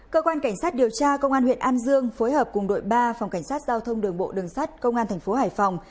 cơ quan cảnh sát điều tra công an huyện an dương phối hợp cùng đội ba phòng cảnh sát giao thông đường bộ đường sát công an thành phố hải phòng